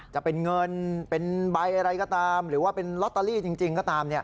จะเป็นเงินเป็นใบอะไรก็ตามหรือว่าเป็นลอตเตอรี่จริงก็ตาม